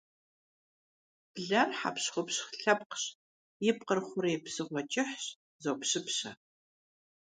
Блэр хьэпщхупщ лъэпкъщ, и пкъыр хъурей псыгъуэ кӏыхьщ, зопщыпщэ.